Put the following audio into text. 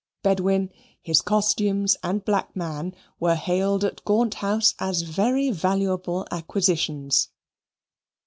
Bedwin, his costumes, and black man, were hailed at Gaunt House as very valuable acquisitions.